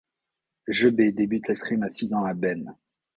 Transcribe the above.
Gebet débute l'escrime à six ans à Beynes.